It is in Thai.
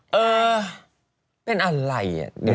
เออเป็นอะไร